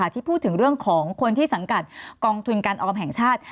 ที่พูดถึงเรื่องของคนที่สังกัดกองทุนการออมแห่งชาติ